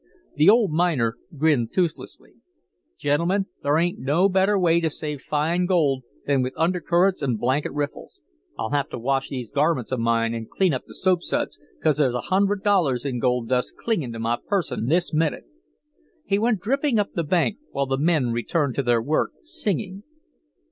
The old miner grinned toothlessly. "Gentlemen, there ain't no better way to save fine gold than with undercurrents an' blanket riffles. I'll have to wash these garments of mine an' clean up the soapsuds 'cause there's a hundred dollars in gold dust clingin' to my person this minute." He went dripping up the bank, while the men returned to their work singing.